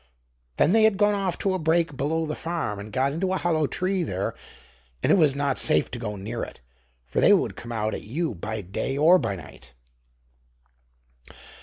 Then they had gone off to a brake below the farm and got into a hollow tree there, and it was not safe to go near it, for they would come out at you by day or by night.